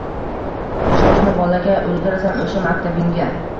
Shoshma, bolakay, ulgurasan o`sha maktabingga